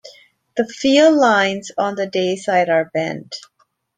The field lines on the dayside are bent.